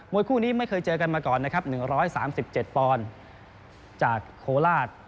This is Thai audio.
มวยคู่นี้ไม่เคยเจอกันมาก่อน๑๓๗ปจากโคลาส